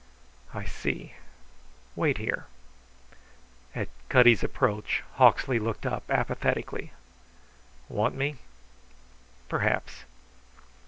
"I see. Wait here." At Cutty's approach Hawksley looked up apathetically. "Want me?" "Perhaps."